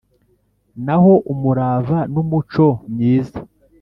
N'aho umurava n'umuco myiza